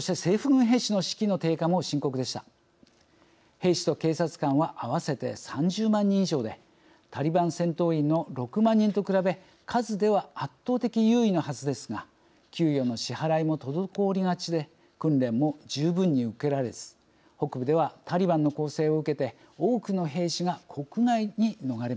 兵士と警察官は合わせて３０万人以上でタリバン戦闘員の６万人と比べ数では圧倒的優位のはずですが給与の支払いも滞りがちで訓練も十分に受けられず北部ではタリバンの攻勢を受けて多くの兵士が国外に逃れました。